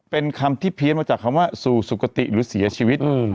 เป็นคำที่เพี้ยนมาจากคำว่าสู่สุขติหรือเสียชีวิต